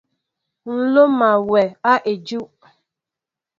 Loma wɛ a ediw.